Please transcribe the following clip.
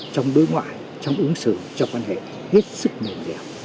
trong đối ngoại trong ứng xử trong quan hệ hết sức mềm dẻo